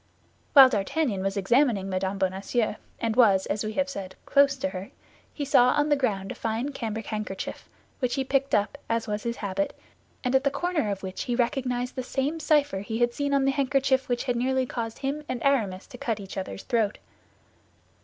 While D'Artagnan was examining Mme. Bonacieux, and was, as we have said, close to her, he saw on the ground a fine cambric handkerchief, which he picked up, as was his habit, and at the corner of which he recognized the same cipher he had seen on the handkerchief which had nearly caused him and Aramis to cut each other's throat.